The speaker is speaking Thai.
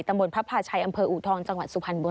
ตำบลพับผ่าชัยอำเภออูทองจังหวัดสุพรรณบุริษฐ์